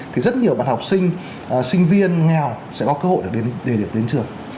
thì rất nhiều bạn học sinh sinh viên nghèo sẽ có cơ hội để đến trường